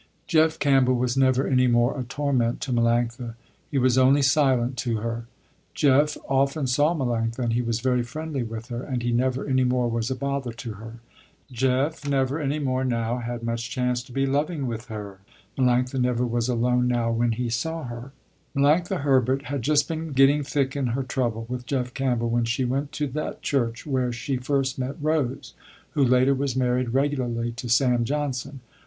Jeff Campbell was never any more a torment to Melanctha, he was only silent to her. Jeff often saw Melanctha and he was very friendly with her and he never any more was a bother to her. Jeff never any more now had much chance to be loving with her. Melanctha never was alone now when he saw her. Melanctha Herbert had just been getting thick in her trouble with Jeff Campbell, when she went to that church where she first met Rose, who later was married regularly to Sam Johnson.